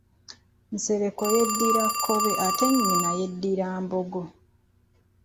Nsereko yeddira Kkobe ate nnyina yeddira Mbogo.